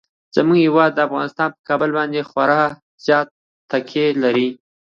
زموږ هیواد افغانستان په کابل باندې خورا زیاته تکیه لري.